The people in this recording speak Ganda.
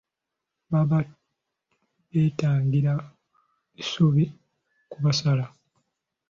Baba beetangira bisubi kubasala.